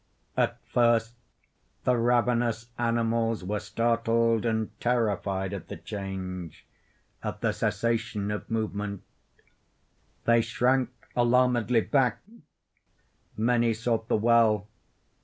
At first the ravenous animals were startled and terrified at the change—at the cessation of movement. They shrank alarmedly back; many sought the well.